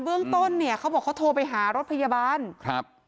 เบื้องต้นเนี่ยเขาบอกเขาโทรไปหารถพยาบาลครับ